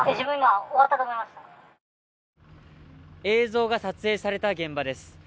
映像が撮影された現場です。